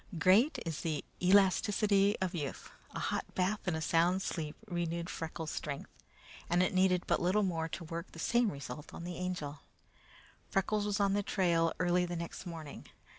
Great is the elasticity of youth. A hot bath and a sound night's sleep renewed Freckles' strength, and it needed but little more to work the same result with the Angel. Freckles was on the trail early the next morning.